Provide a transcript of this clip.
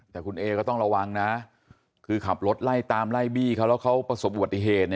แต่คุณเอก็ต้องระวังนะคือขับรถไล่ตามไล่บี้เขาแล้วเขาประสบอุบัติเหตุ